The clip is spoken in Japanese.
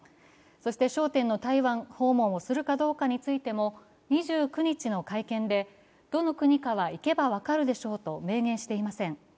そして焦点の台湾訪問をするかどうかについても２９日の会見で、どの国かは行けば分かるでしょうと明言していません。